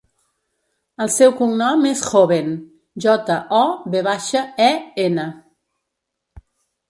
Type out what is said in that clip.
El seu cognom és Joven: jota, o, ve baixa, e, ena.